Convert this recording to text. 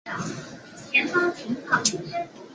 倪氏碘泡虫为碘泡科碘泡虫属的动物。